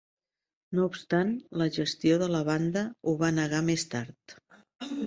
No obstant, la gestió de la banda ho va negar més tard.